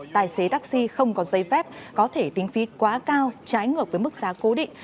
tài xế taxi không có giấy phép có thể tính phí quá cao trái ngược với mức giá cố định